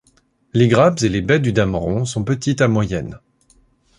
Les grappes et les baies du dameron sont petites à moyennes.